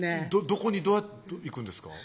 どこにどうやって行くんですか？